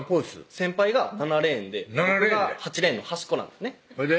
先輩が７レーンで僕が８レーンの端っこなんですねほいで？